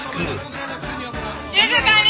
静かに！